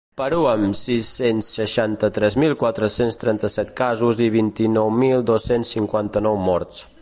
Perú, amb sis-cents seixanta-tres mil quatre-cents trenta-set casos i vint-i-nou mil dos-cents cinquanta-nou morts.